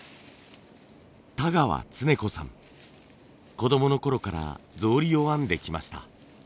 子供のころから草履を編んできました。